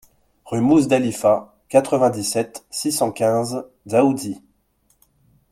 Rue Mouzdalifa, quatre-vingt-dix-sept, six cent quinze Dzaoudzi